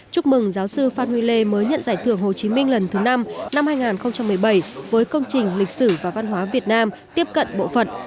chúc mừng giáo sư phan huy lê mới nhận giải thưởng hồ chí minh lần thứ năm năm hai nghìn một mươi bảy với công trình lịch sử và văn hóa việt nam tiếp cận bộ phận